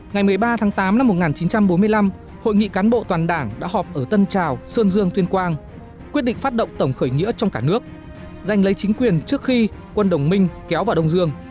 ngày một mươi ba tháng tám năm một nghìn chín trăm bốn mươi năm hội nghị cán bộ toàn đảng đã họp ở tân trào sơn dương tuyên quang quyết định phát động tổng khởi nghĩa trong cả nước danh lấy chính quyền trước khi quân đồng minh kéo vào đông dương